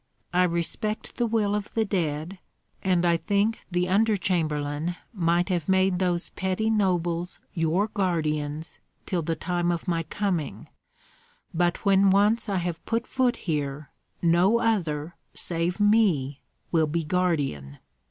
I respect the will of the dead, and I think the under chamberlain might have made those petty nobles your guardians till the time of my coming; but when once I have put foot here, no other, save me, will be guardian.